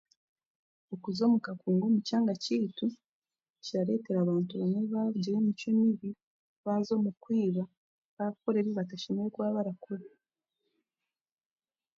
Okuza omu kakungu omu kyanga kyaitu, kirareetera abantu bamwe baagira emicwe mibi baaza omu kwiba, baakora ebibatashemereire kuba batarakora